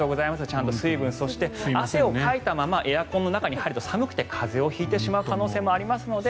ちゃんと水分汗をかいたままエアコンの中に入ると寒くて風邪を引いてしまう可能性がありますので。